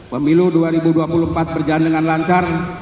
pemilu dua ribu dua puluh empat berjalan dengan lancar